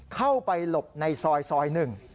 เข้าไปหลบในซอยหนึ่ง